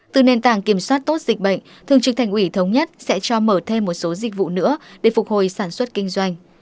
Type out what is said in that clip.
từ nền tảng kiểm soát tốt dịch bệnh thường trực thành ủy thống nhất sẽ cho mở thêm một số dịch vụ nữa để phục hồi sản xuất kinh doanh